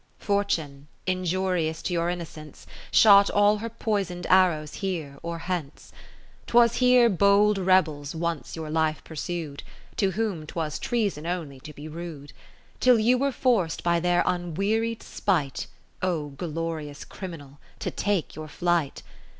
Fortune, injurious to your innocence, Shot all her poison'd arrows here, or hence. 'Tvvas here bold rebels once your life pursu'd (To whom 'twas Treason only to be rude,) Till you were forc'd by their unwearied spite (O glorious Criminal !) to take your flight.